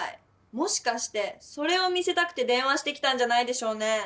もしかしてそれを見せたくて電話してきたんじゃないでしょうね？